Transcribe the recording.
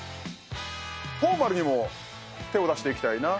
フォーマルにも手を出していきたいなと。